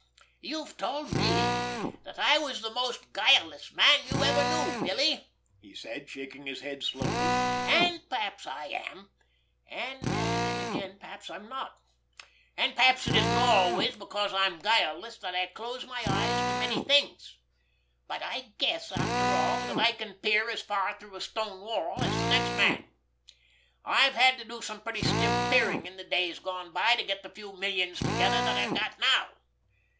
"You've told me that I was the most guileless man you ever knew, Billy," he said, shaking his head slowly; "and perhaps I am, and then again perhaps I'm not—and perhaps it isn't always because I'm guileless that I close my eyes to many things. But I guess, after all, that I can peer as far through a stone wall as the next man. I've had to do some pretty stiff peering in the days gone by to get the few millions together that I've got now.